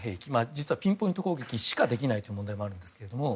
実はピンポイント攻撃しかできないという問題もあるんですけれども。